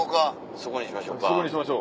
そこにしましょう。